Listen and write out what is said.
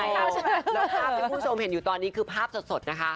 แล้วภาพที่คุณผู้ชมเห็นอยู่ตอนนี้คือภาพสดนะคะ